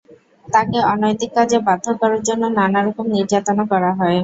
তাকে অনৈতিক কাজে বাধ্য করার জন্য নানা রকম নির্যাতনও করা হয়।